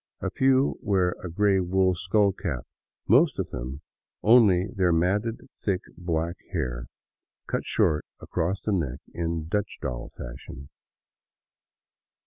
A few wear a gray wool skullcap ; most of them only their matted, thick, black hair, cut short across the neck in " Dutch doll " fashion.